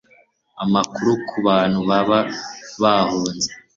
amakuru ku bantu baba bahunze